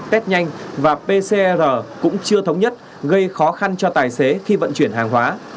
test nhanh và pcr cũng chưa thống nhất gây khó khăn cho tài xế khi vận chuyển hàng hóa